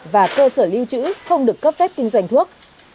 và cơ sở lưu trữ không được cấp phép kinh doanh thuốc